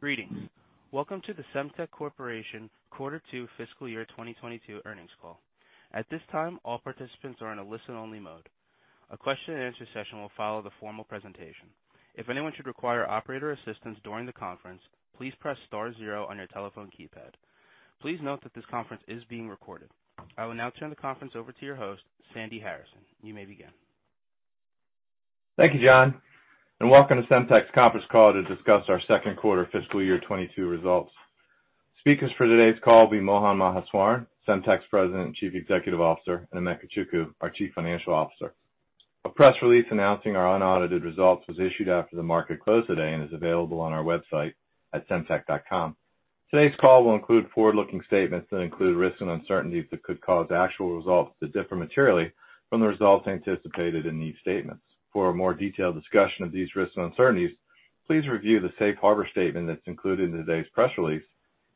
Greetings. Welcome to the Semtech Corporation quarter two fiscal year 2022 earnings call. At this time, all participants are in a listen-only mode. A question and answer session will follow the formal presentation. If anyone should require operator assistance during the conference, please press star zero on your telephone keypad. Please note that this conference is being recorded. I will now turn the conference over to your host, Sandy Harrison. You may begin. Thank you, John, and welcome to Semtech's conference call to discuss our second quarter fiscal year 2022 results. Speakers for today's call will be Mohan Maheswaran, Semtech's President and Chief Executive Officer, and Emeka Chukwu, our Chief Financial Officer. A press release announcing our unaudited results was issued after the market closed today and is available on our website at semtech.com. Today's call will include forward-looking statements that include risks and uncertainties that could cause actual results to differ materially from the results anticipated in these statements. For a more detailed discussion of these risks and uncertainties, please review the safe harbor statement that's included in today's press release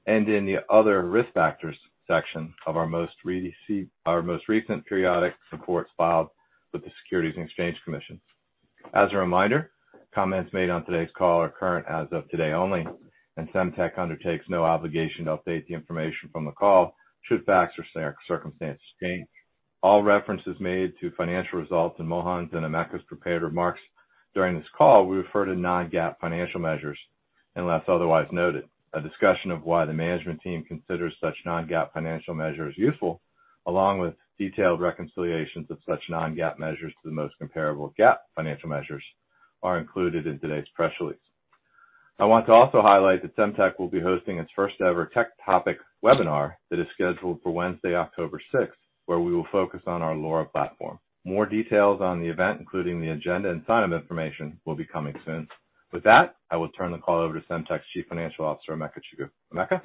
and in the Other Risk Factors section of our most recent periodic reports filed with the Securities and Exchange Commission. As a reminder, comments made on today's call are current as of today only, and Semtech undertakes no obligation to update the information from the call should facts or circumstances change. All references made to financial results in Mohan's and Emeka's prepared remarks during this call, we refer to non-GAAP financial measures unless otherwise noted. A discussion of why the management team considers such non-GAAP financial measures useful, along with detailed reconciliations of such non-GAAP measures to the most comparable GAAP financial measures, are included in today's press release. I want to also highlight that Semtech will be hosting its first ever tech topic webinar that is scheduled for Wednesday, October 6th, where we will focus on our LoRa platform. More details on the event, including the agenda and sign-up information, will be coming soon. With that, I will turn the call over to Semtech's Chief Financial Officer, Emeka Chukwu. Emeka?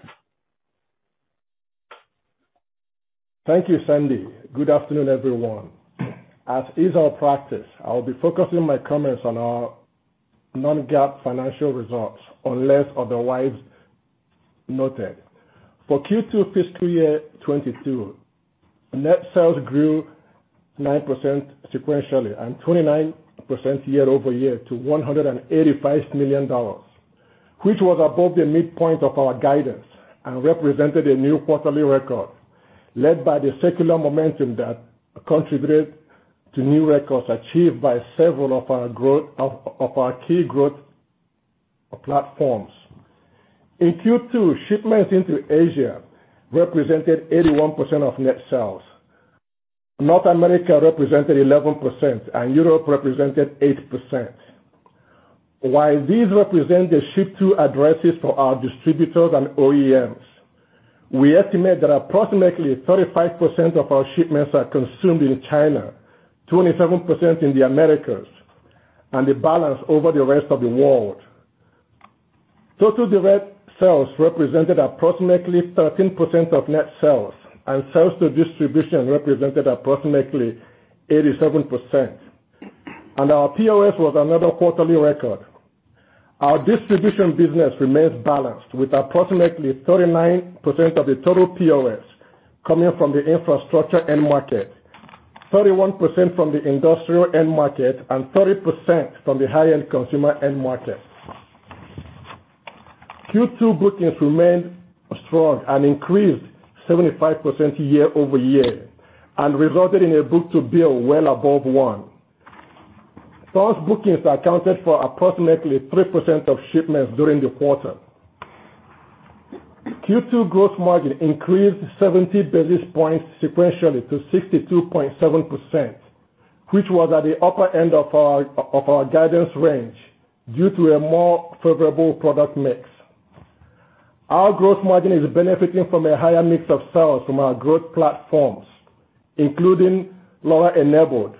Thank you, Sandy. Good afternoon, everyone. As is our practice, I will be focusing my comments on our non-GAAP financial results, unless otherwise noted. For Q2 FY22, net sales grew 9% sequentially and 29% year-over-year to $185 million, which was above the midpoint of our guidance and represented a new quarterly record led by the secular momentum that contributed to new records achieved by several of our key growth platforms. In Q2, shipments into Asia represented 81% of net sales. North America represented 11%, and Europe represented 8%. While these represent the ship-to addresses for our distributors and OEMs, we estimate that approximately 35% of our shipments are consumed in China, 27% in the Americas, and the balance over the rest of the world. Total direct sales represented approximately 13% of net sales, and sales to distribution represented approximately 87%. Our POS was another quarterly record. Our distribution business remains balanced, with approximately 39% of the total POS coming from the infrastructure end market, 31% from the industrial end market, and 30% from the high-end consumer end market. Q2 bookings remained strong and increased 75% year-over-year and resulted in a book-to-bill well above 1. Those bookings accounted for approximately 3% of shipments during the quarter. Q2 gross margin increased 70 basis points sequentially to 62.7%, which was at the upper end of our guidance range due to a more favorable product mix. Our gross margin is benefiting from a higher mix of sales from our growth platforms, including LoRa-enabled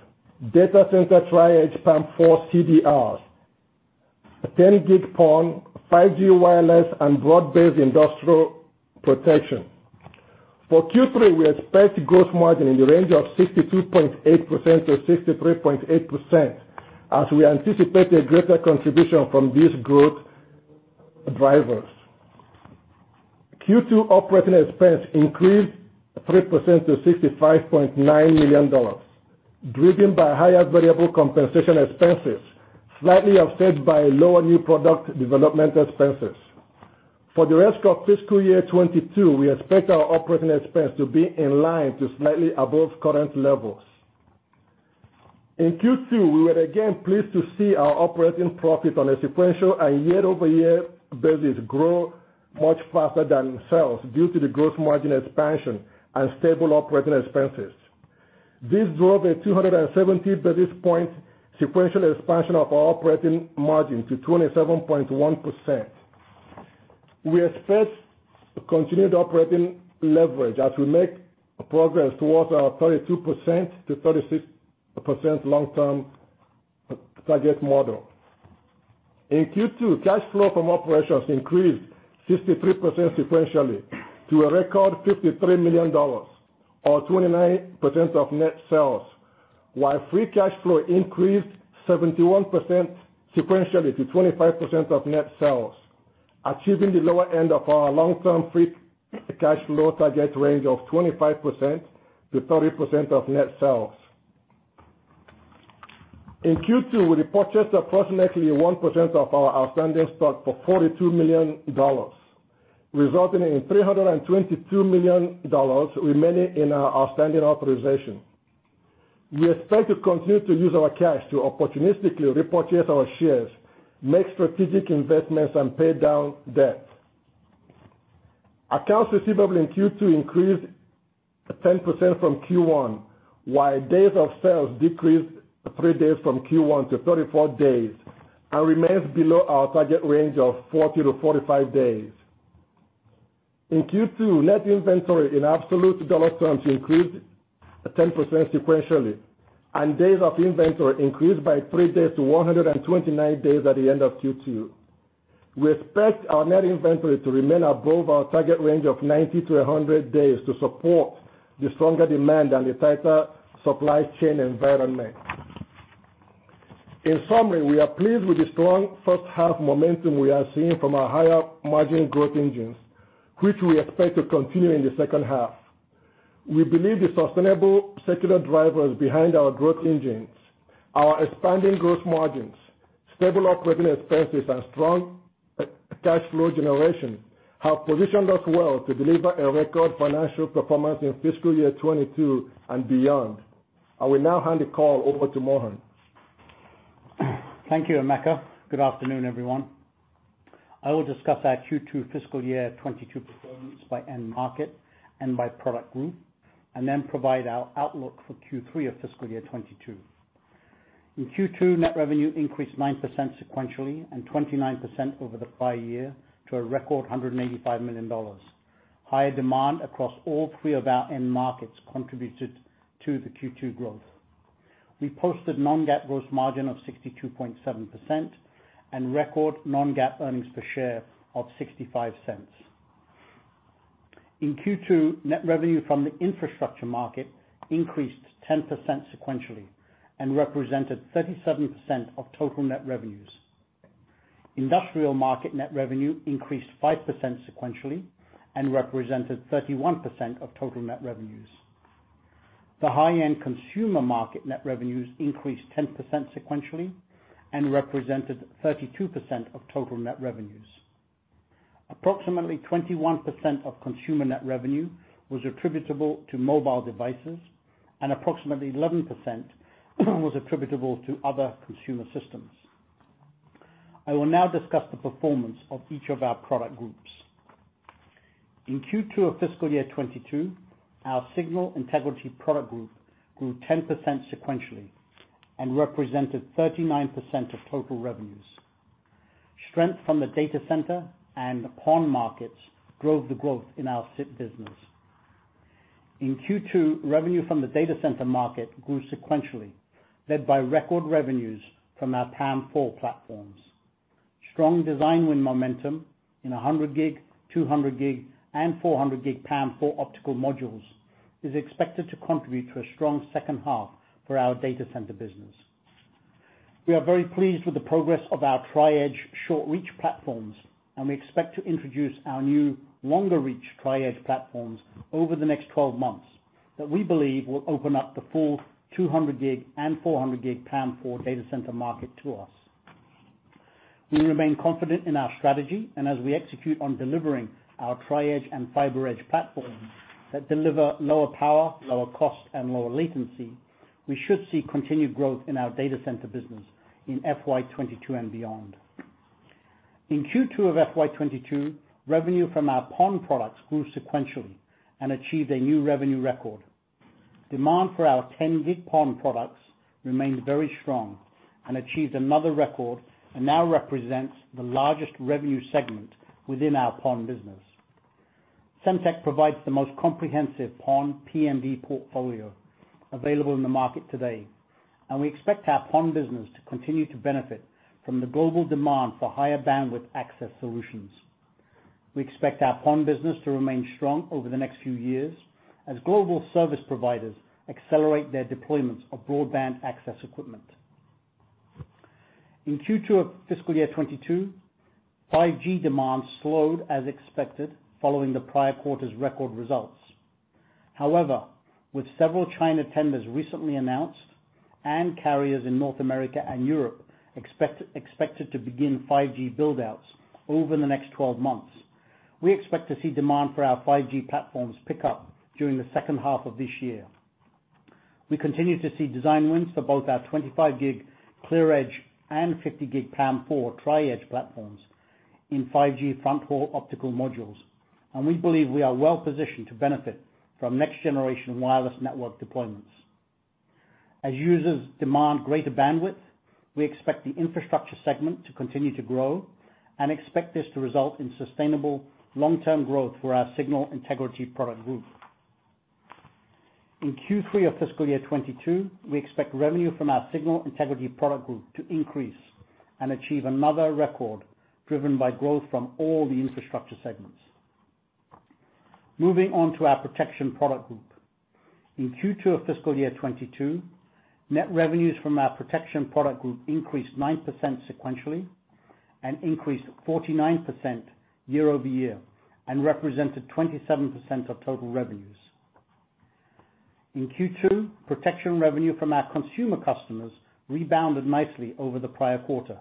data center Tri-Edge PAM4 CDRs, 10G PON, 5G wireless, and broad-based industrial protection. For Q3, we expect gross margin in the range of 62.8%-63.8% as we anticipate a greater contribution from these growth drivers. Q2 OpEx increased 3% to $65.9 million, driven by higher variable compensation expenses, slightly offset by lower new product development expenses. For the rest of fiscal year 2022, we expect our OpEx to be in line to slightly above current levels. In Q2, we were again pleased to see our operating profit on a sequential and year-over-year basis grow much faster than sales due to the gross margin expansion and stable OpEx. This drove a 270 basis point sequential expansion of our operating margin to 27.1%. We expect continued operating leverage as we make progress towards our 32%-36% long-term target model. In Q2, cash flow from operations increased 53% sequentially to a record $53 million, or 29% of net sales. While free cash flow increased 71% sequentially to 25% of net sales, achieving the lower end of our long-term free cash flow target range of 25%-30% of net sales. In Q2, we repurchased approximately 1% of our outstanding stock for $42 million, resulting in $322 million remaining in our outstanding authorization. We expect to continue to use our cash to opportunistically repurchase our shares, make strategic investments, and pay down debt. Accounts receivable in Q2 increased 10% from Q1, while days of sales decreased three days from Q1 to 34 days, and remains below our target range of 40-45 days. In Q2, net inventory in absolute dollar terms increased 10% sequentially, and days of inventory increased by three days to 129 days at the end of Q2. We expect our net inventory to remain above our target range of 90-100 days to support the stronger demand and the tighter supply chain environment. In summary, we are pleased with the strong first half momentum we are seeing from our higher margin growth engines, which we expect to continue in the second half. We believe the sustainable secular drivers behind our growth engines, our expanding gross margins, stable operating expenses, and strong cash flow generation have positioned us well to deliver a record financial performance in fiscal year 2022 and beyond. I will now hand the call over to Mohan. Thank you, Emeka. Good afternoon, everyone. I will discuss our Q2 fiscal year 2022 performance by end market and by product group, and then provide our outlook for Q3 of fiscal year 22. In Q2, net revenue increased 9% sequentially and 29% over the prior year to a record $185 million. Higher demand across all three of our end markets contributed to the Q2 growth. We posted non-GAAP gross margin of 62.7% and record non-GAAP earnings per share of $0.65. In Q2, net revenue from the infrastructure market increased 10% sequentially and represented 37% of total net revenues. Industrial market net revenue increased 5% sequentially and represented 31% of total net revenues. The high-end consumer market net revenues increased 10% sequentially and represented 32% of total net revenues. Approximately 21% of consumer net revenue was attributable to mobile devices, and approximately 11% was attributable to other consumer systems. I will now discuss the performance of each of our product groups. In Q2 of fiscal year 2022, our Signal Integrity Product Group grew 10% sequentially and represented 39% of total revenues. Strength from the data center and PON markets drove the growth in our SIP business. In Q2, revenue from the data center market grew sequentially, led by record revenues from our PAM4 platforms. Strong design win momentum in 100G, 200G, and 400G PAM4 optical modules is expected to contribute to a strong second half for our data center business. We are very pleased with the progress of our Tri-Edge short reach platforms, and we expect to introduce our new longer reach Tri-Edge platforms over the next 12 months, that we believe will open up the full 200G and 400G PAM4 data center market to us. We remain confident in our strategy, and as we execute on delivering our Tri-Edge and FiberEdge platforms that deliver lower power, lower cost, and lower latency, we should see continued growth in our data center business in FY 2022 and beyond. In Q2 of FY 2022, revenue from our PON products grew sequentially and achieved a new revenue record. Demand for our 10G PON products remained very strong and achieved another record, and now represents the largest revenue segment within our PON business. Semtech provides the most comprehensive PON PMD portfolio available in the market today, and we expect our PON business to continue to benefit from the global demand for higher bandwidth access solutions. We expect our PON business to remain strong over the next few years as global service providers accelerate their deployments of broadband access equipment. In Q2 of fiscal year 2022, 5G demand slowed as expected following the prior quarter's record results. With several China tenders recently announced and carriers in North America and Europe expected to begin 5G buildouts over the next 12 months, we expect to see demand for our 5G platforms pick up during the second half of this year. We continue to see design wins for both our 25G ClearEdge and 50G PAM4 Tri-Edge platforms in 5G fronthaul optical modules, and we believe we are well positioned to benefit from next generation wireless network deployments. As users demand greater bandwidth, we expect the infrastructure segment to continue to grow and expect this to result in sustainable long-term growth for our signal integrity product group. In Q3 of FY 2022, we expect revenue from our Signal Integrity Product Group to increase and achieve another record driven by growth from all the infrastructure segments. Moving on to our Protection Product Group. In Q2 of FY 2022, net revenues from our Protection Product Group increased 9% sequentially and increased 49% year-over-year and represented 27% of total revenues. In Q2, Protection revenue from our consumer customers rebounded nicely over the prior quarter,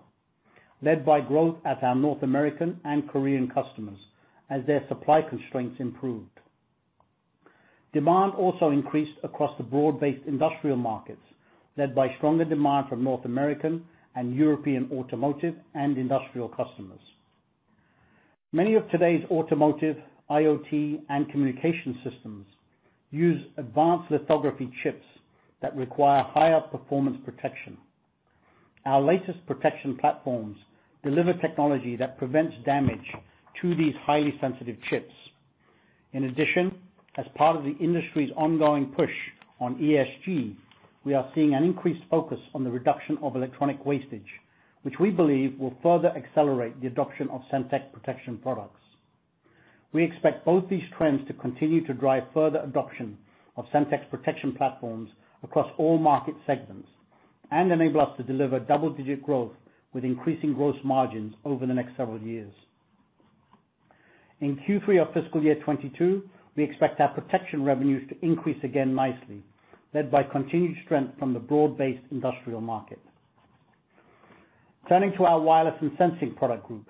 led by growth at our North American and Korean customers as their supply constraints improved. Demand also increased across the broad-based industrial markets, led by stronger demand from North American and European automotive and industrial customers. Many of today's automotive, IoT, and communication systems use advanced lithography chips that require higher performance protection. Our latest Protection platforms deliver technology that prevents damage to these highly sensitive chips. In addition, as part of the industry's ongoing push on ESG, we are seeing an increased focus on the reduction of electronic wastage, which we believe will further accelerate the adoption of Semtech protection products. We expect both these trends to continue to drive further adoption of Semtech's protection platforms across all market segments and enable us to deliver double-digit growth with increasing gross margins over the next several years. In Q3 of fiscal year 2022, we expect our protection revenues to increase again nicely, led by continued strength from the broad-based industrial market. Turning to our Wireless and Sensing Product Group.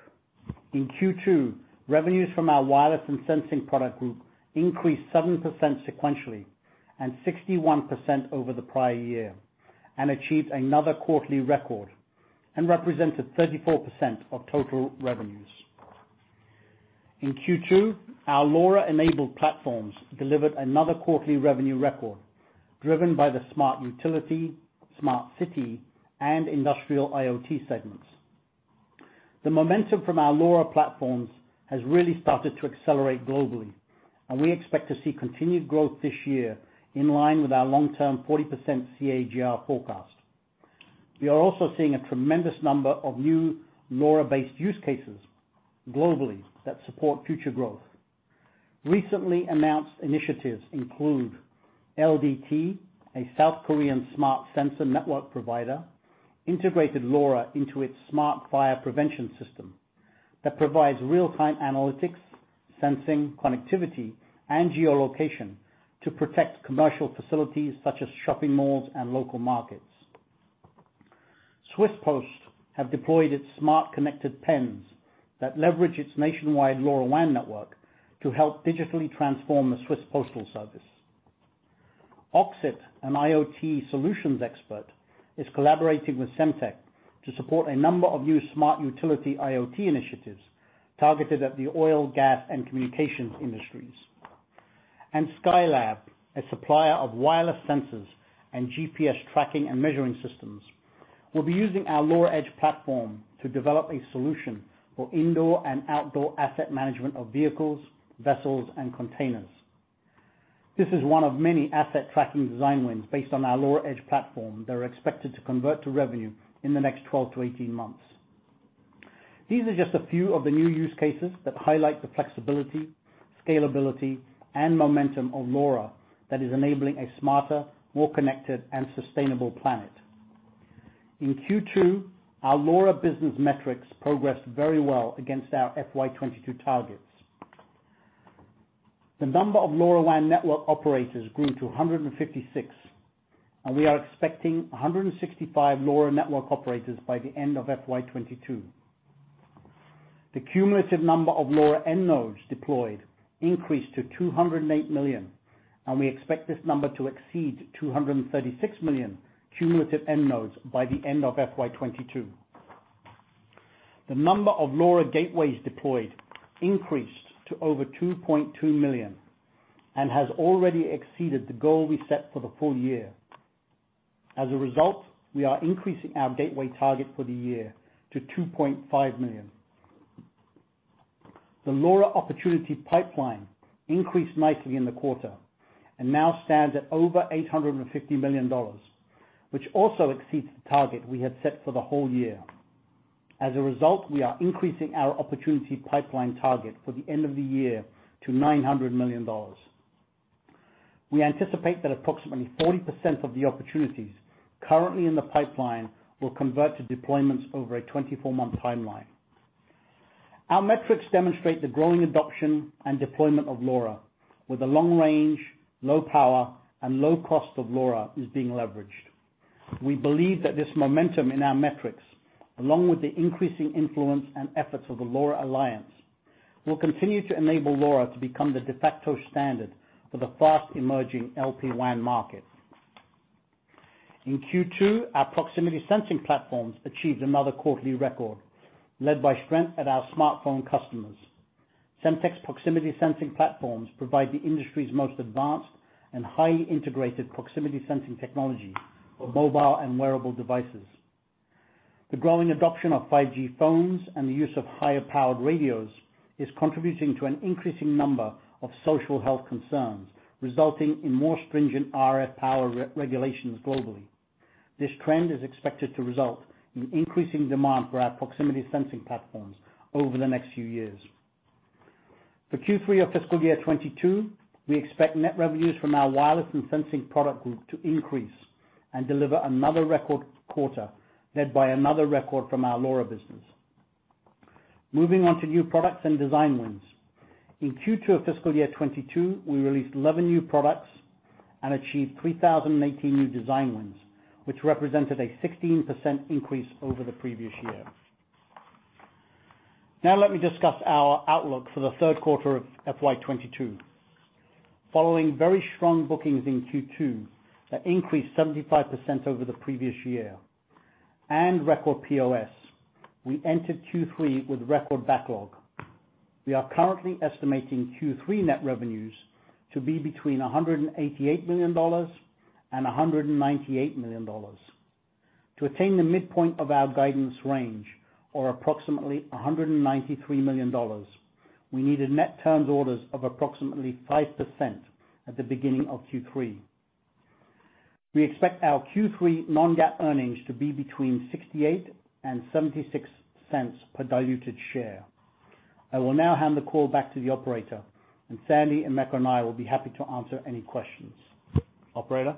In Q2, revenues from our Wireless and Sensing Product Group increased 7% sequentially and 61% over the prior year, and achieved another quarterly record and represented 34% of total revenues. In Q2, our LoRa-enabled platforms delivered another quarterly revenue record, driven by the smart utility, smart city, and industrial IoT segments. The momentum from our LoRa platforms has really started to accelerate globally, and we expect to see continued growth this year in line with our long-term 40% CAGR forecast. We are also seeing a tremendous number of new LoRa-based use cases globally that support future growth. Recently announced initiatives include LDT, a South Korean smart sensor network provider, integrated LoRa into its smart fire prevention system that provides real-time analytics, sensing, connectivity, and geolocation to protect commercial facilities such as shopping malls and local markets. Swiss Post have deployed its smart connected pens that leverage its nationwide LoRaWAN network to help digitally transform the Swiss postal service. Oxit, an IoT solutions expert, is collaborating with Semtech to support a number of new smart utility IoT initiatives targeted at the oil, gas, and communications industries. Skylab, a supplier of wireless sensors and GPS tracking and measuring systems, will be using our LoRa Edge platform to develop a solution for indoor and outdoor asset management of vehicles, vessels, and containers. This is one of many asset tracking design wins based on our LoRa Edge platform that are expected to convert to revenue in the next 12-18 months. These are just a few of the new use cases that highlight the flexibility, scalability, and momentum of LoRa that is enabling a smarter, more connected, and sustainable planet. In Q2, our LoRa business metrics progressed very well against our FY 2022 targets. The number of LoRaWAN network operators grew to 156. We are expecting 165 LoRa network operators by the end of FY 2022. The cumulative number of LoRa end nodes deployed increased to 208 million. We expect this number to exceed 236 million cumulative end nodes by the end of FY 2022. The number of LoRa gateways deployed increased to over 2.2 million and has already exceeded the goal we set for the full year. As a result, we are increasing our gateway target for the year to 2.5 million. The LoRa opportunity pipeline increased nicely in the quarter and now stands at over $850 million, which also exceeds the target we had set for the whole year. As a result, we are increasing our opportunity pipeline target for the end of the year to $900 million. We anticipate that approximately 40% of the opportunities currently in the pipeline will convert to deployments over a 24-month timeline. Our metrics demonstrate the growing adoption and deployment of LoRa, with the long range, low power, and low cost of LoRa is being leveraged. We believe that this momentum in our metrics, along with the increasing influence and efforts of the LoRa Alliance, will continue to enable LoRa to become the de facto standard for the fast emerging LPWAN market. In Q2, our proximity sensing platforms achieved another quarterly record, led by strength at our smartphone customers. Semtech's proximity sensing platforms provide the industry's most advanced and highly integrated proximity sensing technology for mobile and wearable devices. The growing adoption of 5G phones and the use of higher-powered radios is contributing to an increasing number of social health concerns, resulting in more stringent RF power regulations globally. This trend is expected to result in increasing demand for our proximity sensing platforms over the next few years. For Q3 of fiscal year 2022, we expect net revenues from our wireless and sensing product group to increase and deliver another record quarter, led by another record from our LoRa business. Moving on to new products and design wins. In Q2 of fiscal year 2022, we released 11 new products and achieved 3,018 new design wins, which represented a 16% increase over the previous year. Now let me discuss our outlook for the third quarter of FY 2022. Following very strong bookings in Q2 that increased 75% over the previous year, and record POS, we entered Q3 with record backlog. We are currently estimating Q3 net revenues to be between $188 million and $198 million. To attain the midpoint of our guidance range, or approximately $193 million, we needed net turns orders of approximately 5% at the beginning of Q3. We expect our Q3 non-GAAP earnings to be between $0.68 and $0.76 per diluted share. I will now hand the call back to the operator, and Sandy and Emeka Chukwu and I will be happy to answer any questions. Operator?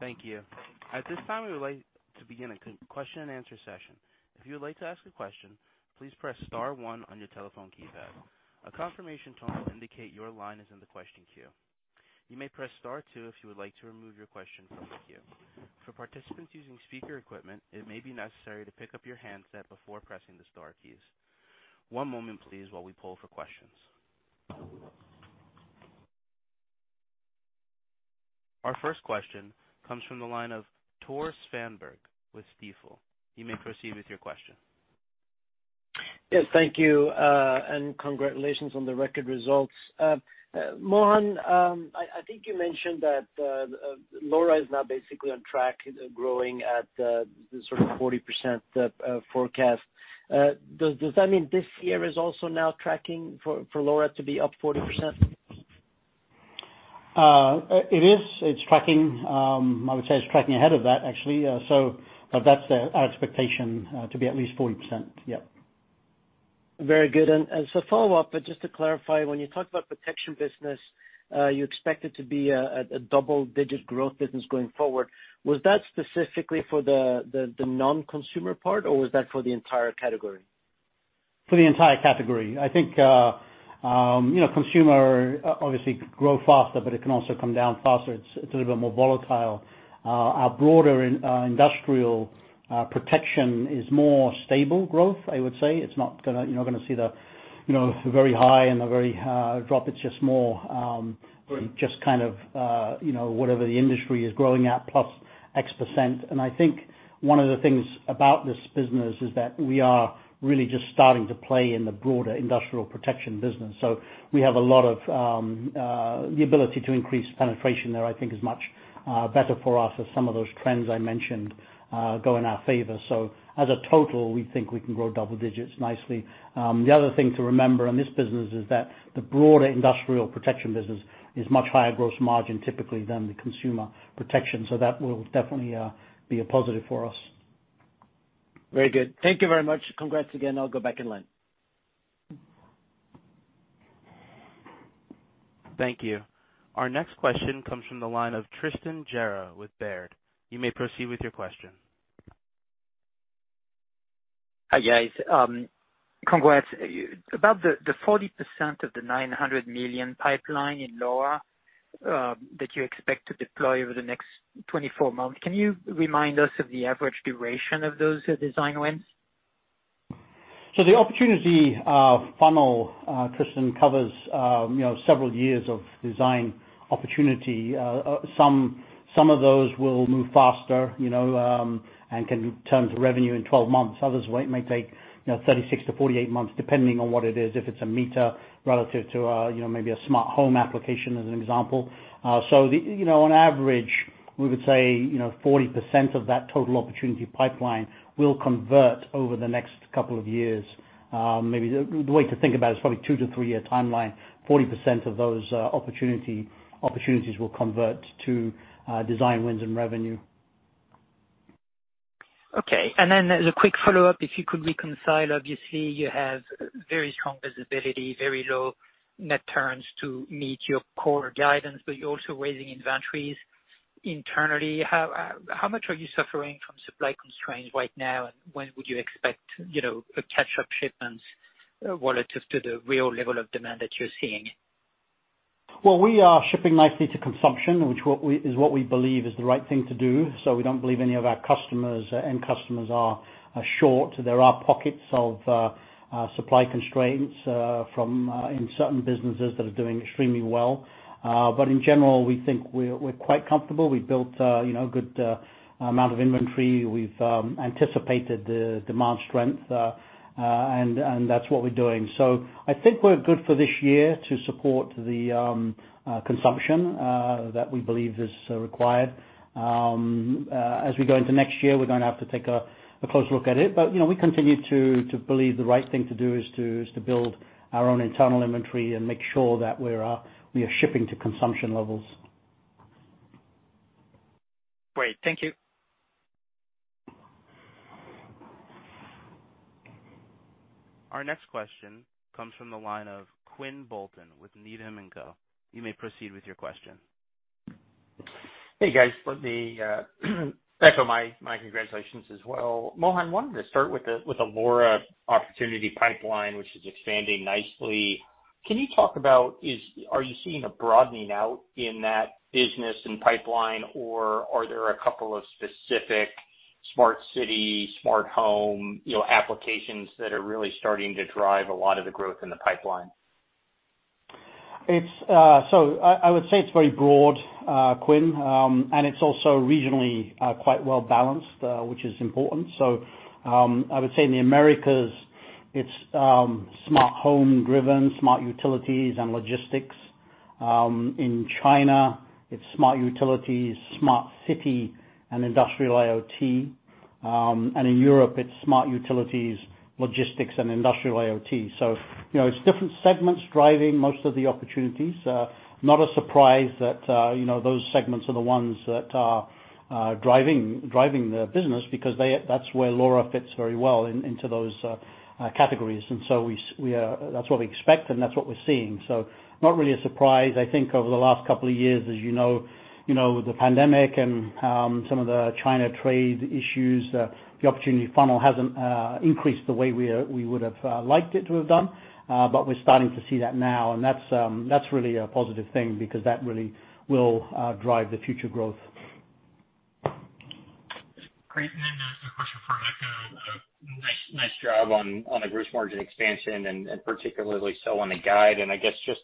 Thank you. At this time, we would like to begin a question and answer session. If you would like to ask a question, please press star one on your telephone keypad. A confirmation tone will indicate your line is in the question queue. You may press star two if you would like to remove your question from the queue. For participants using speaker equipment, it may be necessary to pick up your handset before pressing the star keys. One moment, please, while we poll for questions. Our first question comes from the line of Tore Svanberg with Stifel. You may proceed with your question. Thank you. Congratulations on the record results. Mohan, I think you mentioned that LoRa is now basically on track growing at the 40% forecast. Does that mean this year is also now tracking for LoRa to be up 40%? It is. I would say it's tracking ahead of that actually, that's our expectation, to be at least 40%. Yep. Very good. As a follow-up, just to clarify, when you talk about protection business, you expect it to be a double-digit growth business going forward. Was that specifically for the non-consumer part, or was that for the entire category? For the entire category. I think consumer obviously could grow faster, but it can also come down faster. It's a little bit more volatile. Our broader industrial protection is more stable growth, I would say. You're not gonna see the very high and the very drop. It's just more. Right. Just kind of, whatever the industry is growing at plus X%. I think one of the things about this business is that we are really just starting to play in the broader industrial protection business. We have a lot of, the ability to increase penetration there, I think, is much better for us as some of those trends I mentioned, go in our favor. As a total, we think we can grow double digits nicely. The other thing to remember in this business is that the broader industrial protection business is much higher gross margin typically than the consumer protection. That will definitely be a positive for us. Very good. Thank you very much. Congrats again. I'll go back in line. Thank you. Our next question comes from the line of Tristan Gerra with Baird. Hi, guys. Congrats. About the 40% of the $900 million pipeline in LoRa that you expect to deploy over the next 24 months, can you remind us of the average duration of those design wins? The opportunity funnel, Tristan, covers several years of design opportunity. Some of those will move faster, and can turn to revenue in 12 months. Others may take 36-48 months, depending on what it is, if it's a meter relative to maybe a smart home application, as an example. On average, we would say 40% of that total opportunity pipeline will convert over the next couple of years. Maybe the way to think about it is probably two to three year timeline. 40% of those opportunities will convert to design wins and revenue. Okay. As a quick follow-up, if you could reconcile, obviously, you have very strong visibility, very low net turns to meet your core guidance, but you're also raising inventories internally. How much are you suffering from supply constraints right now, and when would you expect a catch-up shipments relative to the real level of demand that you're seeing? We are shipping nicely to consumption, which is what we believe is the right thing to do. We don't believe any of our customers, end customers are short. There are pockets of supply constraints from in certain businesses that are doing extremely well. In general, we think we're quite comfortable. We've built a good amount of inventory. We've anticipated the demand strength, and that's what we're doing. I think we're good for this year to support the consumption that we believe is required. As we go into next year, we're going to have to take a closer look at it. We continue to believe the right thing to do is to build our own internal inventory and make sure that we are shipping to consumption levels. Great. Thank you. Our next question comes from the line of Quinn Bolton with Needham & Company. Hey, guys. Emeka, my congratulations as well. Mohan, I wanted to start with the LoRa opportunity pipeline, which is expanding nicely. Can you talk about, are you seeing a broadening out in that business and pipeline, or are there a couple of specific smart city, smart home applications that are really starting to drive a lot of the growth in the pipeline? I would say it's very broad, Quinn, and it's also regionally quite well-balanced, which is important. I would say in the Americas it's smart home driven, smart utilities and logistics. In China, it's smart utilities, smart city, and industrial IoT. In Europe it's smart utilities, logistics, and industrial IoT. It's different segments driving most of the opportunities. Not a surprise that those segments are the ones that are driving the business because that's where LoRa fits very well into those categories. That's what we expect, and that's what we're seeing. Not really a surprise. I think over the last couple of years, as you know, with the pandemic and some of the China trade issues, the opportunity funnel hasn't increased the way we would have liked it to have done. We're starting to see that now, and that's really a positive thing because that really will drive the future growth. Great. A quick question for Emeka Chukwu. Nice job on the gross margin expansion and particularly so on the guide. I guess just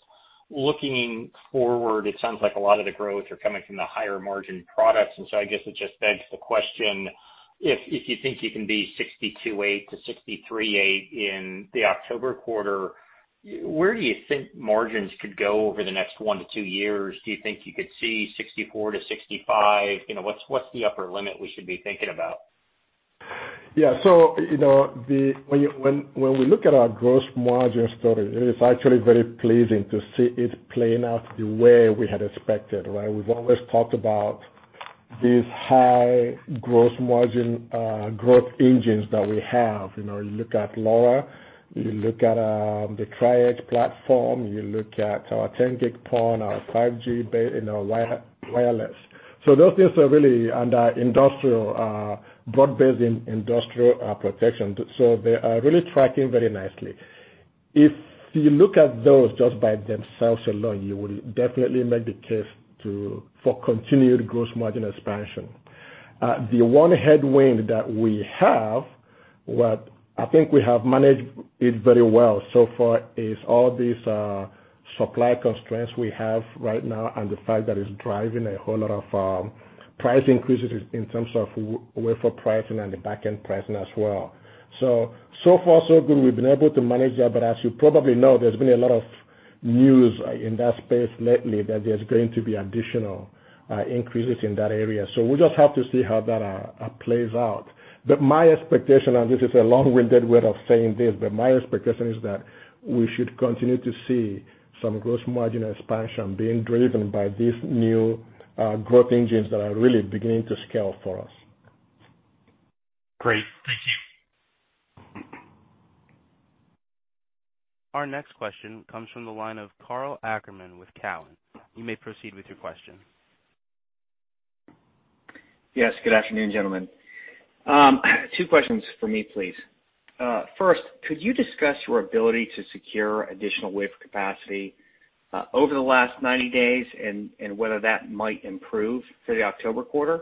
looking forward, it sounds like a lot of the growth are coming from the higher margin products. I guess it just begs the question, if you think you can be $62.8-$63.8 in the October quarter, where do you think margins could go over the next one to two years? Do you think you could see $64-$65? What's the upper limit we should be thinking about? Yeah. When we look at our gross margin story, it is actually very pleasing to see it playing out the way we had expected, right? We've always talked about these high gross margin growth engines that we have. You look at LoRa, you look at the Tri-Edge platform, you look at our 10G PON, our 5G wireless. Those things are really under broad-based industrial protection. They are really tracking very nicely. If you look at those just by themselves alone, you will definitely make the case for continued gross margin expansion. The one headwind that we have, what I think we have managed it very well so far, is all these supply constraints we have right now and the fact that it's driving a whole lot of price increases in terms of wafer pricing and the back-end pricing as well. So far so good. We've been able to manage that. As you probably know, there's been a lot of news in that space lately that there's going to be additional increases in that area. We just have to see how that plays out. My expectation, and this is a long-winded way of saying this, but my expectation is that we should continue to see some gross margin expansion being driven by these new growth engines that are really beginning to scale for us. Great. Thank you. Our next question comes from the line of Karl Ackerman with Cowen. You may proceed with your question. Yes, good afternoon, gentlemen. Two questions from me, please. Could you discuss your ability to secure additional wafer capacity over the last 90 days and whether that might improve for the October quarter?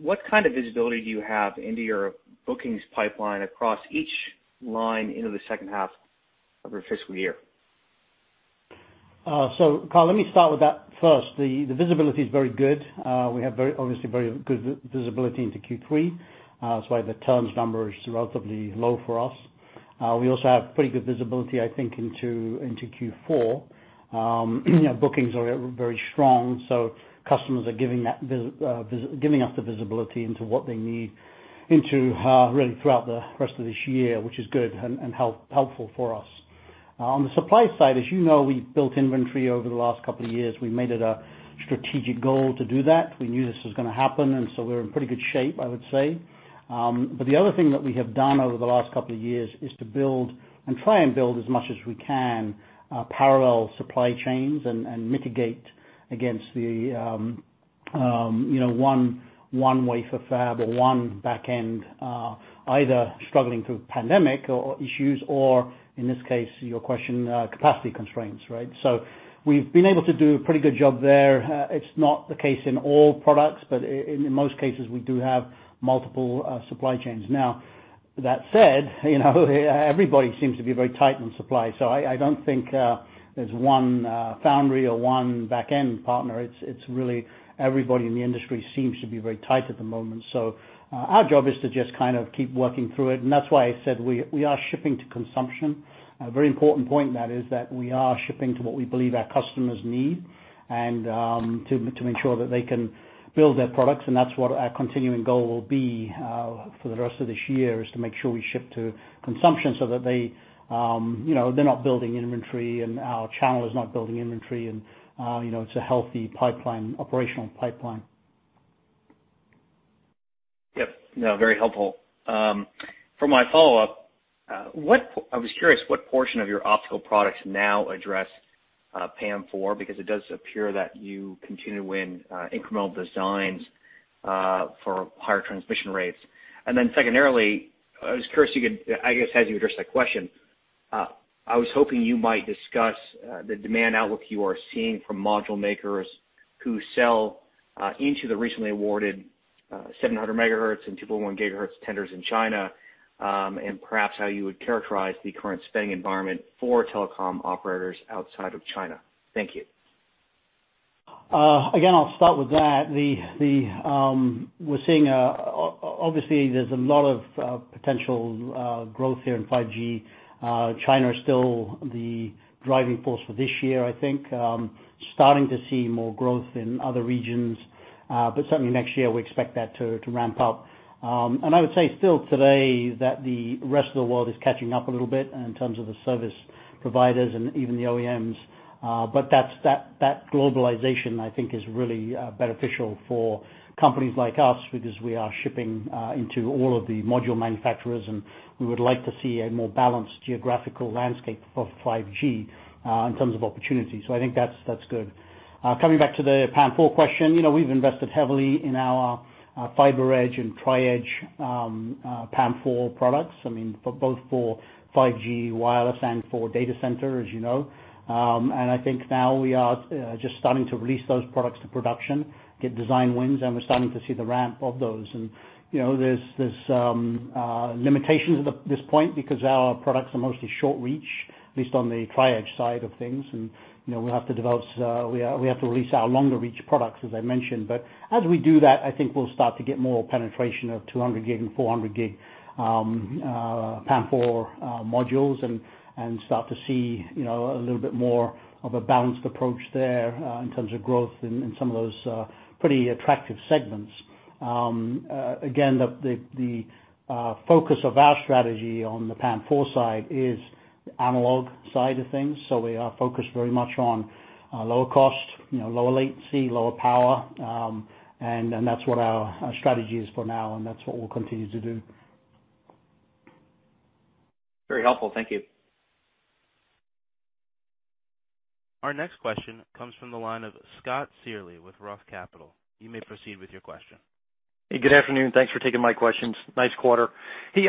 What kind of visibility do you have into your bookings pipeline across each line into the second half of your fiscal year? Karl, let me start with that first. The visibility is very good. We have obviously very good visibility into Q3. That's why the turns number is relatively low for us. We also have pretty good visibility, I think, into Q4. Bookings are very strong, customers are giving us the visibility into what they need into really throughout the rest of this year, which is good and helpful for us. On the supply side, as you know, we've built inventory over the last couple of years. We made it a strategic goal to do that. We knew this was going to happen, we're in pretty good shape, I would say. The other thing that we have done over the last couple of years is to build and try and build as much as we can, parallel supply chains and mitigate against the one wafer fab or one back end, either struggling through pandemic or issues or in this case, your question, capacity constraints, right? We've been able to do a pretty good job there. It's not the case in all products, but in most cases, we do have multiple supply chains. Now, that said everybody seems to be very tight on supply, so I don't think there's one foundry or one back end partner. It's really everybody in the industry seems to be very tight at the moment. Our job is to just kind of keep working through it, and that's why I said we are shipping to consumption. A very important point in that is that we are shipping to what we believe our customers need and to make sure that they can build their products, and that's what our continuing goal will be for the rest of this year, is to make sure we ship to consumption so that they're not building inventory and our channel is not building inventory and it's a healthy operational pipeline. Yep. No, very helpful. For my follow-up, I was curious what portion of your optical products now address PAM4, because it does appear that you continue to win incremental designs for higher transmission rates. Then secondarily, I was curious, I guess as you address that question, I was hoping you might discuss the demand outlook you are seeing from module makers who sell into the recently awarded 700 MHz and 2.1 GHz tenders in China, and perhaps how you would characterize the current spending environment for telecom operators outside of China. Thank you. I'll start with that. We're seeing, obviously, there's a lot of potential growth here in 5G. China is still the driving force for this year, I think. Starting to see more growth in other regions. Certainly next year, we expect that to ramp up. I would say still today that the rest of the world is catching up a little bit in terms of the service providers and even the OEMs. That globalization, I think, is really beneficial for companies like us because we are shipping into all of the module manufacturers, and we would like to see a more balanced geographical landscape for 5G in terms of opportunities. I think that's good. Coming back to the PAM4 question. We've invested heavily in our FiberEdge and Tri-Edge PAM4 products, both for 5G wireless and for data centers, as you know. I think now we are just starting to release those products to production, get design wins, and we're starting to see the ramp of those. There's limitations at this point because our products are mostly short reach, at least on the Tri-Edge side of things. We have to release our longer reach products, as I mentioned. As we do that, I think we'll start to get more penetration of 200G and 400G PAM4 modules and start to see a little bit more of a balanced approach there in terms of growth in some of those pretty attractive segments. Again, the focus of our strategy on the PAM4 side is the analog side of things. We are focused very much on lower cost, lower latency, lower power. That's what our strategy is for now, and that's what we'll continue to do. Very helpful. Thank you. Our next question comes from the line of Scott Searle with ROTH Capital Partners. You may proceed with your question. Hey, good afternoon. Thanks for taking my questions. Nice quarter. Hey,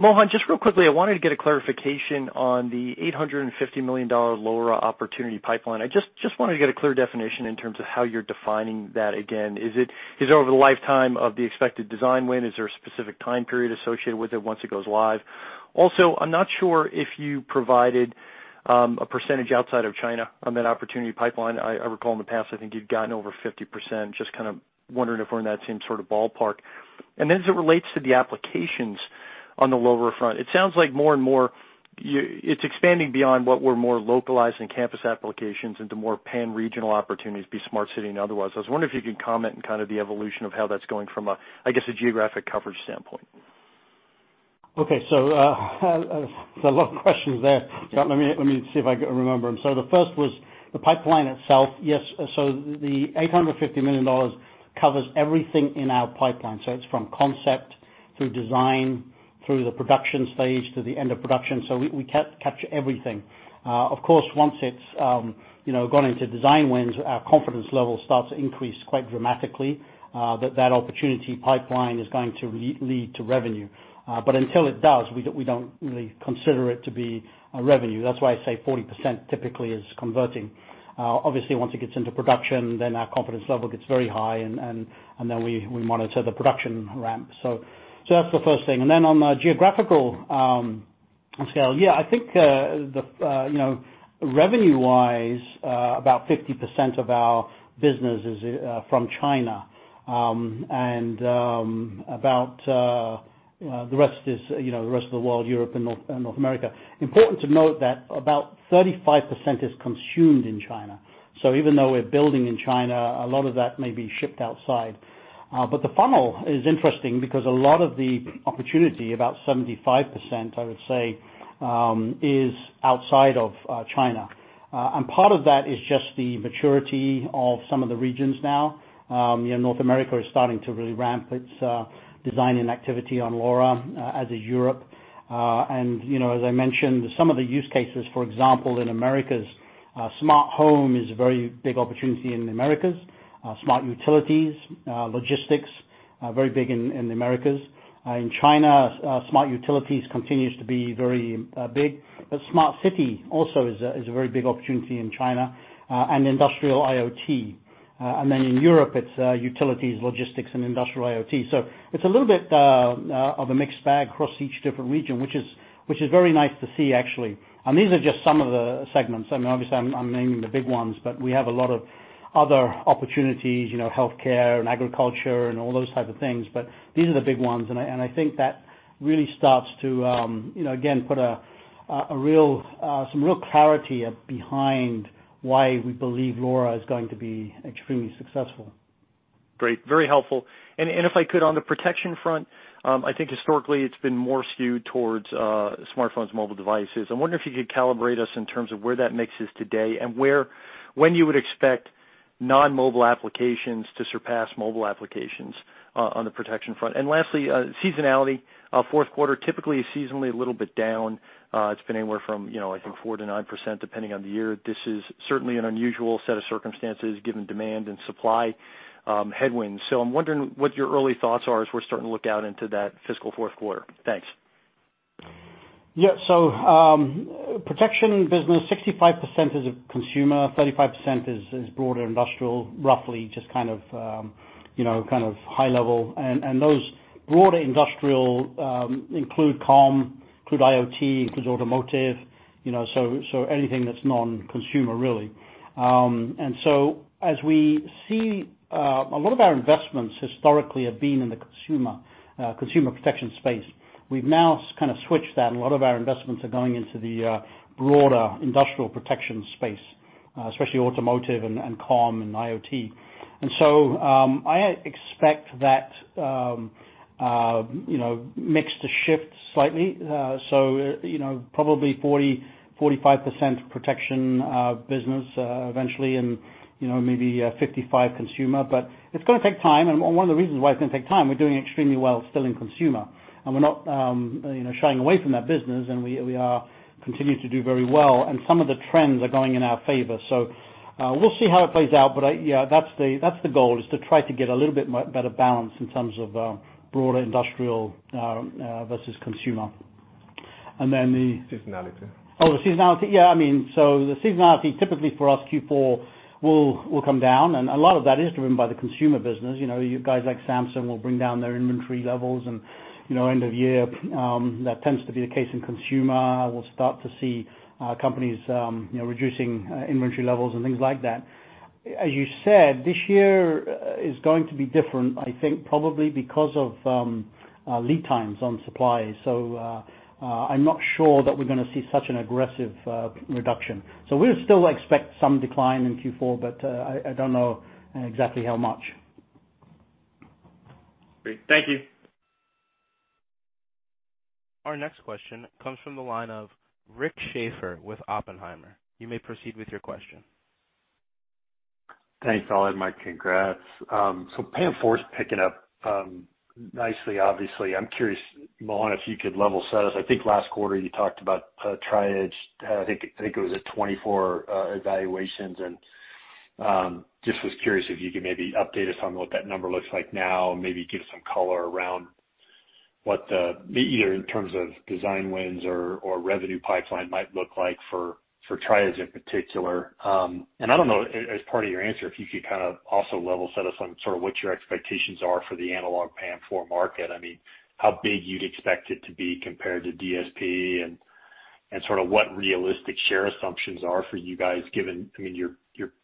Mohan, just real quickly, I wanted to get a clarification on the $850 million LoRa opportunity pipeline. I just wanted to get a clear definition in terms of how you're defining that again. Is it over the lifetime of the expected design win? Is there a specific time period associated with it once it goes live? Also, I'm not sure if you provided a percentage outside of China on that opportunity pipeline. I recall in the past, I think you'd gotten over 50%. Just kind of wondering if we're in that same sort of ballpark. As it relates to the applications on the LoRa front, it sounds like more and more it's expanding beyond what were more localized and campus applications into more pan-regional opportunities, be it smart city and otherwise. I was wondering if you could comment on kind of the evolution of how that's going from a, I guess, a geographic coverage standpoint? Okay. There's a lot of questions there. Yeah. Let me see if I can remember them. The first was the pipeline itself. Yes. The $850 million covers everything in our pipeline. It's from concept through design, through the production stage to the end of production. We capture everything. Of course, once it's gone into design wins, our confidence level starts to increase quite dramatically, that that opportunity pipeline is going to lead to revenue. Until it does, we don't really consider it to be a revenue. That's why I say 40% typically is converting. Obviously, once it gets into production, then our confidence level gets very high and then we monitor the production ramp. That's the first thing. Then on the geographical scale. Yeah, I think revenue-wise, about 50% of our business is from China. About the rest of the world, Europe and North America. Important to note that about 35% is consumed in China. Even though we're building in China, a lot of that may be shipped outside. The funnel is interesting because a lot of the opportunity, about 75%, I would say, is outside of China. Part of that is just the maturity of some of the regions now. North America is starting to really ramp its designing activity on LoRa, as is Europe. As I mentioned, some of the use cases, for example, in Americas, smart home is a very big opportunity in the Americas. Smart utilities, logistics, very big in the Americas. In China, smart utilities continues to be very big. Smart city also is a very big opportunity in China, and industrial IoT. Then in Europe, it's utilities, logistics and industrial IoT. It's a little bit of a mixed bag across each different region, which is very nice to see, actually. These are just some of the segments. Obviously, I'm naming the big ones, but we have a lot of other opportunities, healthcare and agriculture and all those type of things. These are the big ones, and I think that really starts to, again, put some real clarity behind why we believe LoRa is going to be extremely successful. Great. Very helpful. If I could, on the protection front. I think historically it's been more skewed towards smartphones, mobile devices. I wonder if you could calibrate us in terms of where that mix is today and when you would expect non-mobile applications to surpass mobile applications on the protection front. Lastly, seasonality. Fourth quarter typically is seasonally a little bit down. It's been anywhere from, I think 4%-9% depending on the year. This is certainly an unusual set of circumstances given demand and supply headwinds. I'm wondering what your early thoughts are as we're starting to look out into that fiscal fourth quarter. Thanks. Protection business, 65% is a consumer, 35% is broader industrial, roughly, just kind of high level. Those broader industrial include comm, include IoT, includes automotive, so anything that's non-consumer really. As we see, a lot of our investments historically have been in the consumer protection space. We've now kind of switched that, and a lot of our investments are going into the broader industrial protection space, especially automotive and comm and IoT. I expect that mix to shift slightly. Probably 40%, 45% protection business eventually and maybe 55% consumer. It's going to take time. One of the reasons why it's going to take time, we're doing extremely well still in consumer, and we're not shying away from that business. We are continuing to do very well, and some of the trends are going in our favor. We'll see how it plays out. Yeah, that's the goal, is to try to get a little bit better balance in terms of broader industrial versus consumer. Seasonality. The seasonality. Yeah. The seasonality, typically for us, Q4 will come down and a lot of that is driven by the consumer business. Guys like Samsung will bring down their inventory levels and end of year, that tends to be the case in consumer. We'll start to see companies reducing inventory levels and things like that. As you said, this year is going to be different, I think probably because of lead times on supply. I'm not sure that we're going to see such an aggressive reduction. We'll still expect some decline in Q4, but I don't know exactly how much. Great. Thank you. Our next question comes from the line of Rick Schafer with Oppenheimer. You may proceed with your question. Thanks all and Mohan Maheswaran, congrats. PAM4's picking up nicely, obviously. I'm curious, Mohan, if you could level set us. I think last quarter you talked about Tri-Edge, I think it was at 24 evaluations and just was curious if you could maybe update us on what that number looks like now and maybe give some color around what the, either in terms of design wins or revenue pipeline might look like for Tri-Edge in particular. I don't know, as part of your answer, if you could kind of also level set us on sort of what your expectations are for the analog PAM4 market. How big you'd expect it to be compared to DSP and sort of what realistic share assumptions are for you guys given, you're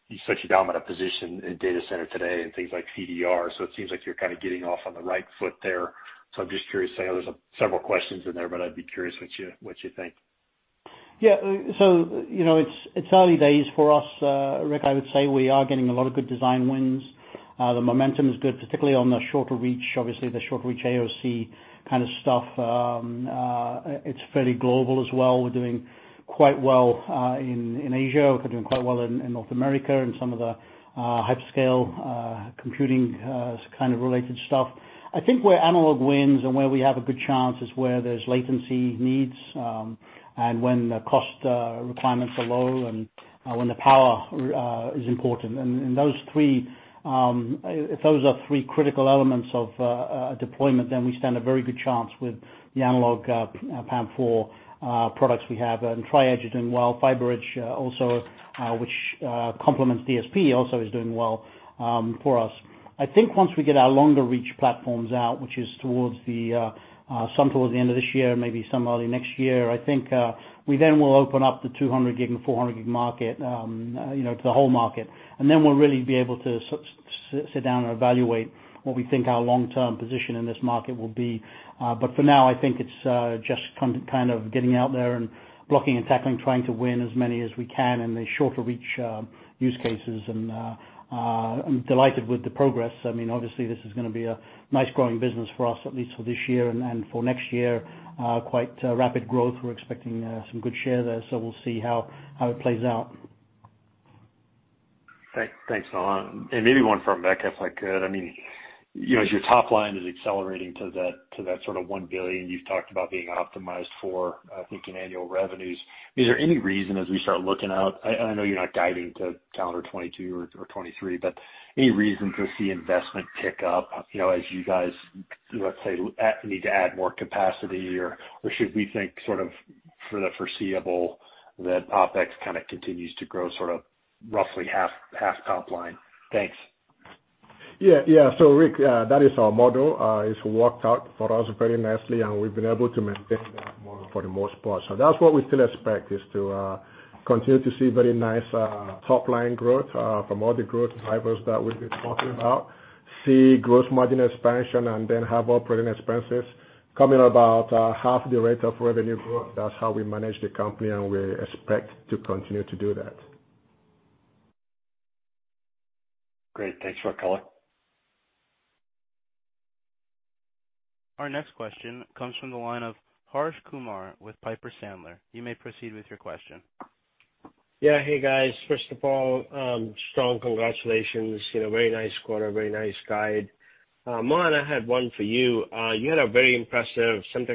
in such a dominant position in data center today and things like CDR. It seems like you're kind of getting off on the right foot there. I'm just curious, there's several questions in there, but I'd be curious what you think. It's early days for us, Rick. I would say we are getting a lot of good design wins. The momentum is good, particularly on the shorter reach, obviously the shorter reach AOC kind of stuff. It's fairly global as well. We're doing quite well in Asia. We're doing quite well in North America and some of the hyperscale computing kind of related stuff. I think where analog wins and where we have a good chance is where there's latency needs, and when the cost requirements are low and when the power is important. Those three, if those are three critical elements of deployment, then we stand a very good chance with the analog PAM4 products we have. Tri-Edge is doing well. FiberEdge also, which complements DSP, also is doing well for us. I think once we get our longer reach platforms out, which is some towards the end of this year, maybe some early next year, I think, we then will open up the 200G and 400G market, to the whole market. We'll really be able to sit down and evaluate what we think our long-term position in this market will be. For now, I think it's just kind of getting out there and blocking and tackling, trying to win as many as we can in the shorter reach use cases. I'm delighted with the progress. Obviously, this is going to be a nice growing business for us, at least for this year and for next year. Quite rapid growth. We're expecting some good share there, so we'll see how it plays out. Thanks, Mohan. Maybe one for Emeka, if I could. As your top line is accelerating to that sort of $1 billion you've talked about being optimized for, I think in annual revenues, is there any reason as we start looking out, I know you're not guiding to calendar 2022 or 2023, but any reason to see investment pick up, as you guys, let's say, need to add more capacity? Should we think sort of for the foreseeable that OpEx kind of continues to grow sort of roughly half top line? Thanks. Rick, that is our model. It's worked out for us very nicely, and we've been able to maintain that model for the most part. That's what we still expect, is to continue to see very nice top-line growth from all the growth drivers that we've been talking about. See gross margin expansion and have operating expenses coming about half the rate of revenue growth. That's how we manage the company. We expect to continue to do that. Great. Thanks for color. Our next question comes from the line of Harsh Kumar with Piper Sandler. You may proceed with your question. Yeah. Hey, guys. First of all, strong congratulations. Very nice quarter, very nice guide. Mohan, I had one for you. Semtech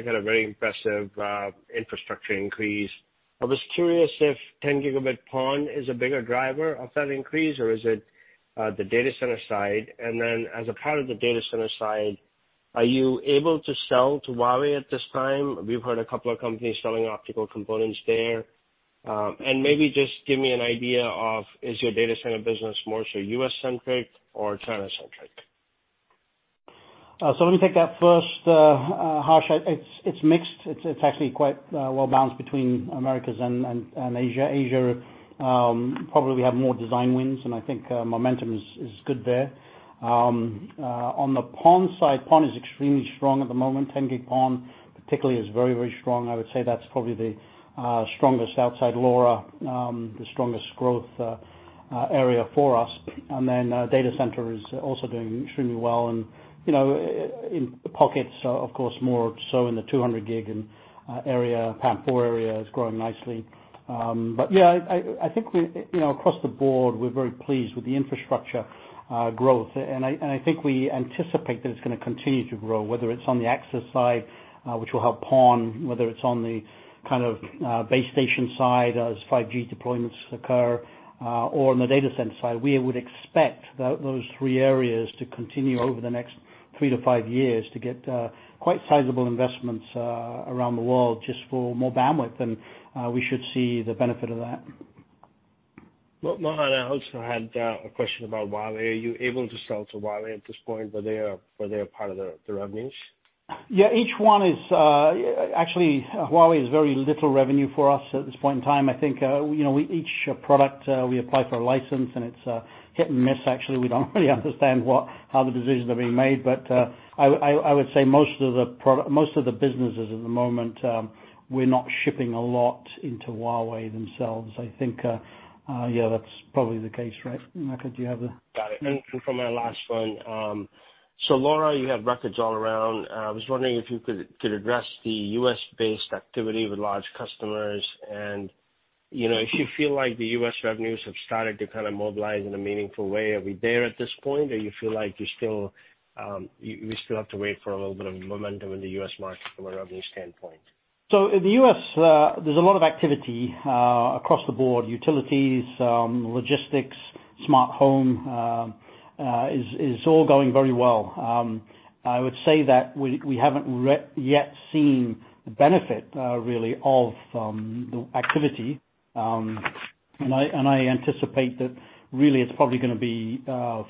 had a very impressive infrastructure increase. I was curious if 10G PON is a bigger driver of that increase, or is it the data center side? As a part of the data center side, are you able to sell to Huawei at this time? We've heard a couple of companies selling optical components there. Just give me an idea of, is your data center business more so U.S.-centric or China-centric? Let me take that first, Harsh. It's mixed. It's actually quite well-balanced between Americas and Asia. Asia, probably we have more design wins, I think momentum is good there. On the PON side, PON is extremely strong at the moment. 10G PON particularly is very strong. I would say that's probably the strongest outside LoRa, the strongest growth area for us. Data center is also doing extremely well and, in pockets, of course, more so in the 200G and PAM4 area is growing nicely. Yeah, I think across the board, we're very pleased with the infrastructure growth, I think we anticipate that it's going to continue to grow, whether it's on the access side, which will help PON, whether it's on the base station side as 5G deployments occur, or on the data center side. We would expect those three areas to continue over the next three to five years to get quite sizable investments around the world, just for more bandwidth, and we should see the benefit of that. Mohan, I also had a question about Huawei. Are you able to sell to Huawei at this point? Were they a part of the revenues? Yeah, actually, Huawei is very little revenue for us at this point in time. I think, each product we apply for a license, and it's hit-and-miss, actually. We don't really understand how the decisions are being made. I would say most of the businesses at the moment, we're not shipping a lot into Huawei themselves. I think, yeah, that's probably the case, right. Emeka, do you have a- Got it. For my last one. LoRa, you have records all around. I was wondering if you could address the U.S.-based activity with large customers and, if you feel like the U.S. revenues have started to mobilize in a meaningful way. Are we there at this point, or you feel like you still have to wait for a little bit of momentum in the U.S. market from a revenue standpoint? In the U.S., there's a lot of activity across the board. Utilities, logistics, smart home, is all going very well. I would say that we haven't yet seen the benefit, really, of the activity. I anticipate that really it's probably going to be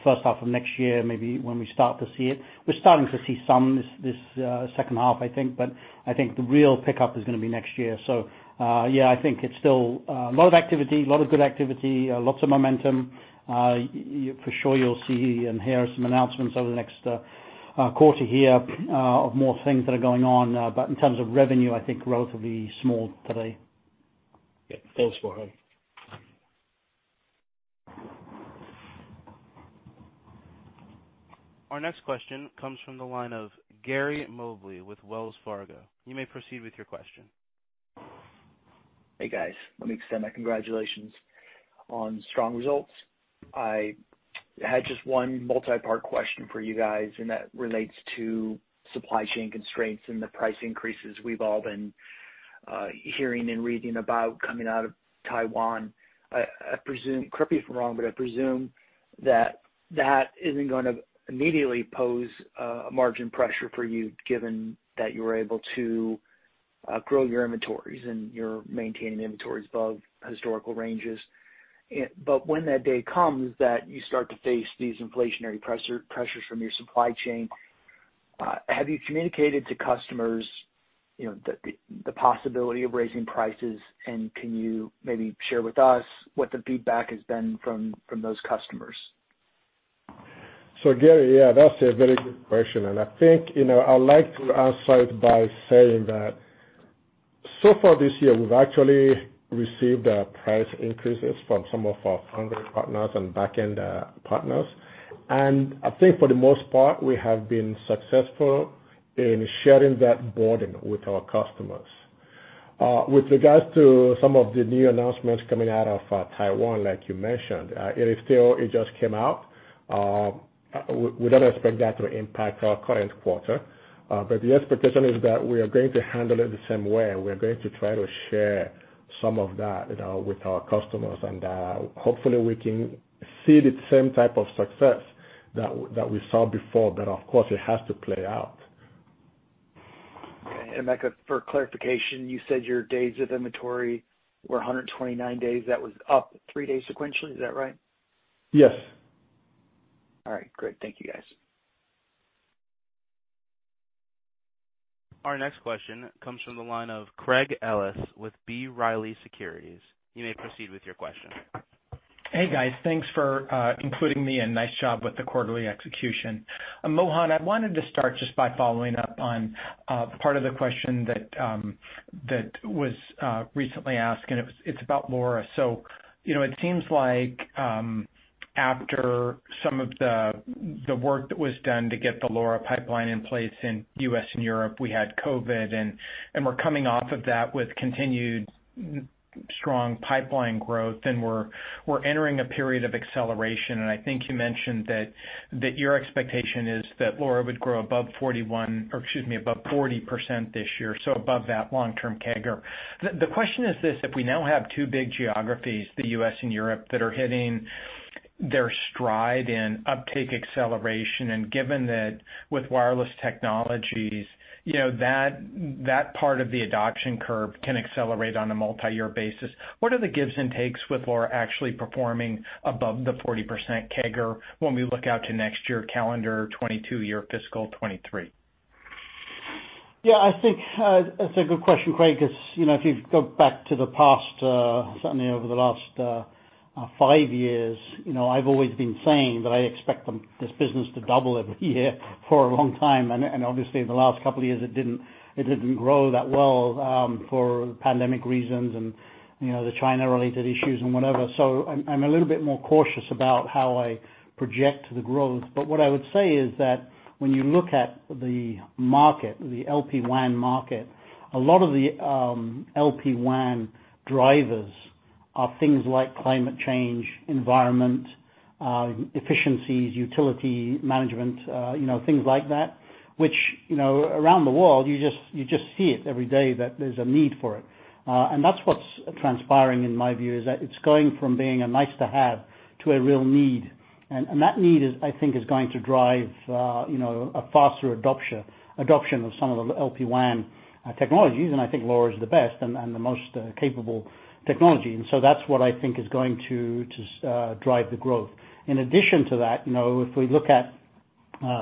first half of next year, maybe, when we start to see it. We're starting to see some this second half, I think, but I think the real pickup is going to be next year. Yeah, I think it's still a lot of activity, a lot of good activity, lots of momentum. For sure you'll see and hear some announcements over the next quarter here of more things that are going on. In terms of revenue, I think relatively small today. Yeah. Thanks, Mohan. Our next question comes from the line of Gary Mobley with Wells Fargo. You may proceed with your question. Hey, guys. Let me extend my congratulations on strong results. I had just one multi-part question for you guys, and that relates to supply chain constraints and the price increases we've all been hearing and reading about coming out of Taiwan. Correct me if I'm wrong, but I presume that that isn't going to immediately pose a margin pressure for you, given that you were able to grow your inventories and you're maintaining inventories above historical ranges. When that day comes that you start to face these inflationary pressures from your supply chain, have you communicated to customers the possibility of raising prices, and can you maybe share with us what the feedback has been from those customers? Gary, yeah, that's a very good question, I think, I'd like to answer it by saying that so far this year, we've actually received price increases from some of our foundry partners and back-end partners. I think for the most part, we have been successful in sharing that burden with our customers. With regards to some of the new announcements coming out of Taiwan, like you mentioned, it just came out. We don't expect that to impact our current quarter. The expectation is that we are going to handle it the same way. We're going to try to share some of that with our customers, and hopefully we can see the same type of success that we saw before. Of course, it has to play out. Okay. Emeka, for clarification, you said your days of inventory were 129 days. That was up three days sequentially. Is that right? Yes. All right, great. Thank you, guys. Our next question comes from the line of Craig Ellis with B. Riley Securities. You may proceed with your question. Hey guys, thanks for including me and nice job with the quarterly execution. Mohan, I wanted to start just by following up on part of the question that was recently asked, and it's about LoRa. It seems like after some of the work that was done to get the LoRa pipeline in place in U.S. and Europe, we had COVID, and we're coming off of that with continued strong pipeline growth and we're entering a period of acceleration. I think you mentioned that your expectation is that LoRa would grow above 41%, or excuse me, above 40% this year. Above that long-term CAGR. The question is this, if we now have two big geographies, the U.S. and Europe, that are hitting their stride in uptake acceleration, and given that with wireless technologies, that part of the adoption curve can accelerate on a multi-year basis. What are the gives and takes with LoRa actually performing above the 40% CAGR when we look out to next year calendar 2022, year fiscal 2023? Yeah, I think that's a good question, Craig, because if you go back to the past, certainly over the last five years, I've always been saying that I expect this business to double every year for a long time. Obviously in the last couple of years, it didn't grow that well for pandemic reasons and the China related issues and whatever. I'm a little bit more cautious about how I project the growth. What I would say is that when you look at the market, the LPWAN market, a lot of the LPWAN drivers are things like climate change, environment, efficiencies, utility management, things like that, which around the world, you just see it every day that there's a need for it. That's what's transpiring, in my view, is that it's going from being a nice to have to a real need. That need, I think, is going to drive a faster adoption of some of the LPWAN technologies. I think LoRa is the best and the most capable technology. That's what I think is going to drive the growth. In addition to that, if we look at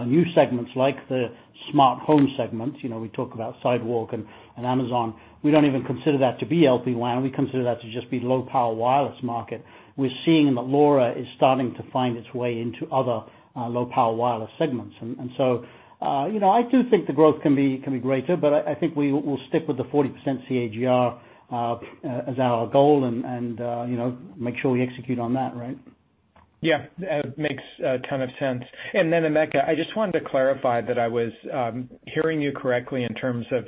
new segments like the smart home segments, we talk about Sidewalk and Amazon. We don't even consider that to be LPWAN. We consider that to just be low power wireless market. We're seeing that LoRa is starting to find its way into other low power wireless segments. I do think the growth can be greater, but I think we will stick with the 40% CAGR as our goal and make sure we execute on that. Right? Yeah. Makes a ton of sense. Emeka, I just wanted to clarify that I was hearing you correctly in terms of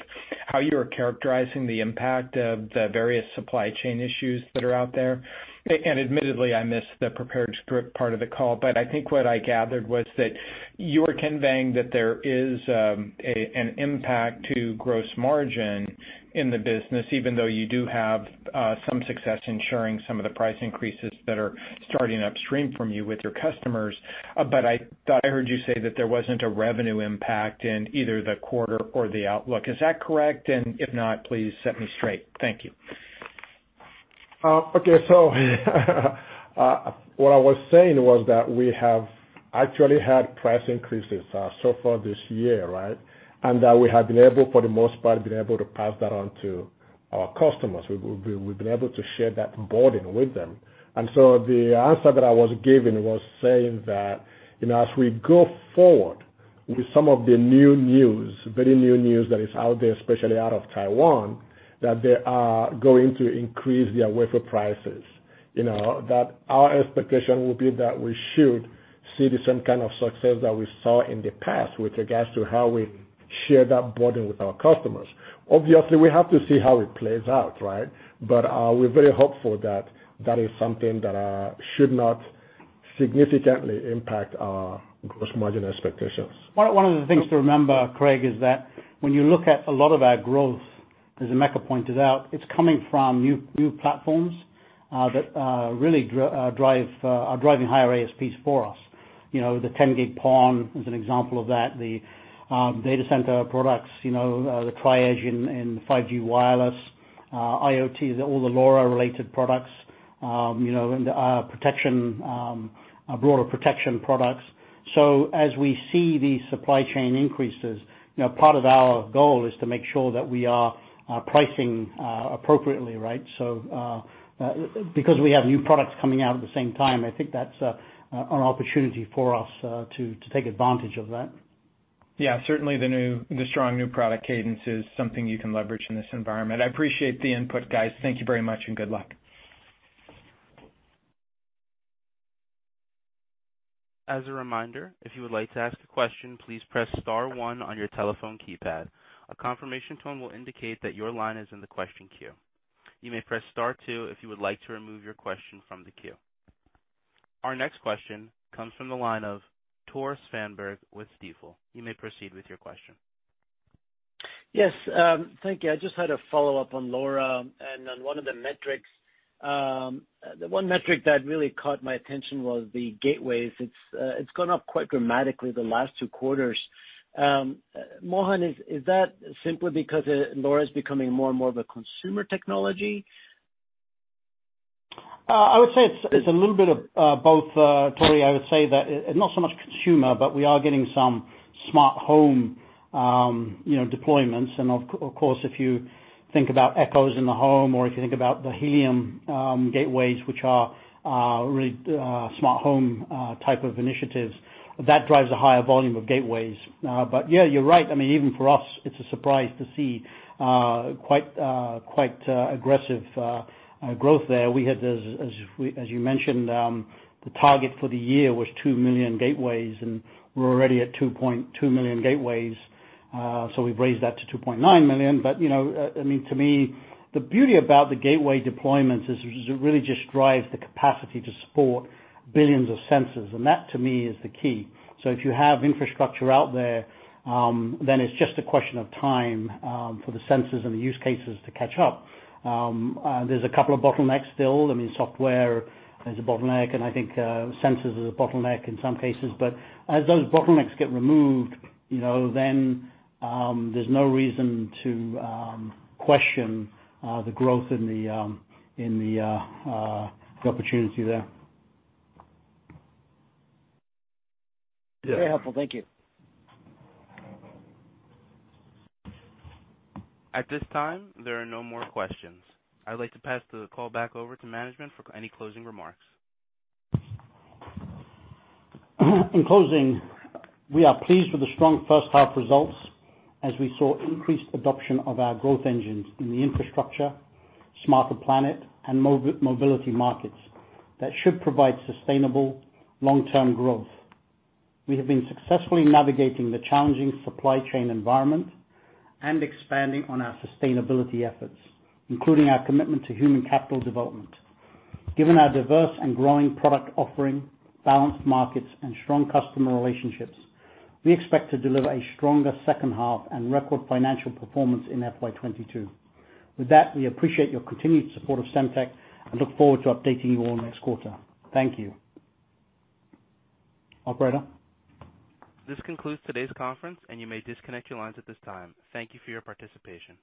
how you were characterizing the impact of the various supply chain issues that are out there. Admittedly, I missed the prepared script part of the call, I think what I gathered was that you were conveying that there is an impact to gross margin in the business, even though you do have some success in sharing some of the price increases that are starting upstream from you with your customers. I thought I heard you say that there wasn't a revenue impact in either the quarter or the outlook. Is that correct? If not, please set me straight. Thank you. Okay. What I was saying was that we have actually had price increases so far this year, right? That we have been able, for the most part, been able to pass that on to our customers. We've been able to share that burden with them. The answer that I was giving was saying that as we go forward with some of the new news, very new news that is out there, especially out of Taiwan, that they are going to increase their wafer prices. That our expectation will be that we should see the same kind of success that we saw in the past with regards to how we share that burden with our customers. Obviously, we have to see how it plays out, right? We're very hopeful that that is something that should not significantly impact our gross margin expectations. One of the things to remember, Craig, is that when you look at a lot of our growth, as Emeka pointed out, it's coming from new platforms that are driving higher ASPs for us. The 10G PON is an example of that. The data center products, the Tri-Edge and 5G wireless, IoT, all the LoRa related products, and broader protection products. As we see these supply chain increases, part of our goal is to make sure that we are pricing appropriately, right? Because we have new products coming out at the same time, I think that's an opportunity for us to take advantage of that. Yeah. Certainly, the strong new product cadence is something you can leverage in this environment. I appreciate the input, guys. Thank you very much and good luck. Our next question comes from the line of Tore Svanberg with Stifel. You may proceed with your question. Yes. Thank you. I just had a follow-up on LoRa and on one of the metrics. The one metric that really caught my attention was the gateways. It's gone up quite dramatically the last two quarters. Mohan, is that simply because LoRa is becoming more and more of a consumer technology? I would say it's a little bit of both, Tore. I would say that not so much consumer, but we are getting some smart home deployments. Of course, if you think about Echos in the home or if you think about the Helium gateways, which are really smart home type of initiatives, that drives a higher volume of gateways. Yeah, you're right. Even for us, it's a surprise to see quite aggressive growth there. We had, as you mentioned, the target for the year was two million gateways, and we're already at 2.2 million gateways. We've raised that to 2.9 million. To me, the beauty about the gateway deployments is it really just drives the capacity to support billions of sensors. That to me is the key. If you have infrastructure out there, then it's just a question of time for the sensors and the use cases to catch up. There's a couple of bottlenecks still. Software is a bottleneck, and I think sensors is a bottleneck in some cases. As those bottlenecks get removed, then there's no reason to question the growth in the opportunity there. Very helpful. Thank you. At this time, there are no more questions. I'd like to pass the call back over to management for any closing remarks. In closing, we are pleased with the strong first half results as we saw increased adoption of our growth engines in the infrastructure, smarter planet, and mobility markets that should provide sustainable long-term growth. We have been successfully navigating the challenging supply chain environment and expanding on our sustainability efforts, including our commitment to human capital development. Given our diverse and growing product offering, balanced markets, and strong customer relationships, we expect to deliver a stronger second half and record financial performance in FY2022. With that, we appreciate your continued support of Semtech and look forward to updating you all next quarter. Thank you. Operator? This concludes today's conference, and you may disconnect your lines at this time. Thank you for your participation.